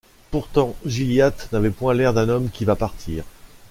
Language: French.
Pourtant Gilliatt n’avait point l’air d’un homme qui va partir.